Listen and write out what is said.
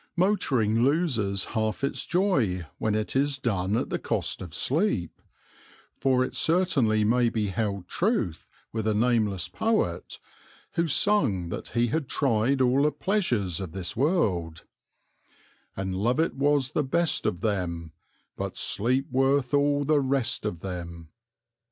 Motoring loses half its joy when it is done at the cost of sleep, for it certainly may be held truth with a nameless poet, who sung that he had tried all the pleasures of this world, And Love it was the best of them, But Sleep worth all the rest of them.